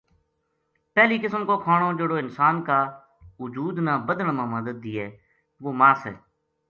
پہلی قسم کو کھانو جہڑو انسان کا اُجود نا بدھن ما مدد دیئے وہ ماس ہے۔